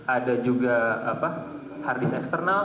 ada juga hardisk eksternal